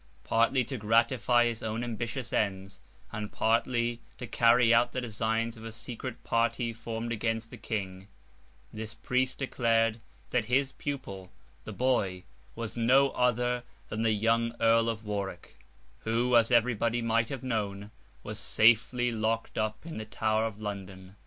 Partly to gratify his own ambitious ends, and partly to carry out the designs of a secret party formed against the King, this priest declared that his pupil, the boy, was no other than the young Earl of Warwick; who (as everybody might have known) was safely locked up in the Tower of London.